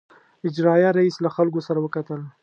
اجرائیه رییس له خلکو سره وکتل.